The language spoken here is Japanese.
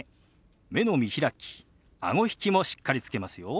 目の見開きあご引きもしっかりつけますよ。